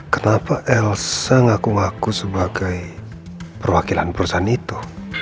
kenapa elsa ngaku ngaku sebagai perwakilan perusahaan itu